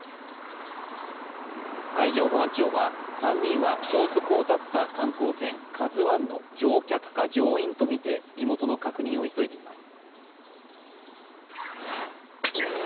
海上保安庁は３人は消息を絶った観光船「ＫＡＺＵⅠ」の乗客か乗員とみて身元の確認を急いでいます。